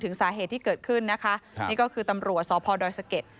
ถึงสาเหทที่เกิดขึ้นนะคะนี่ก็คือตำรวจสพรดรส